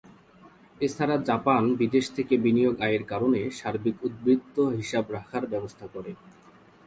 এছাড়া জাপান বিদেশ থেকে বিনিয়োগ আয়ের কারণে সার্বিক উদ্বৃত্ত হিসাব রাখার ব্যবস্থা করে।